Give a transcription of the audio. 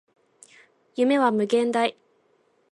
夢は無限大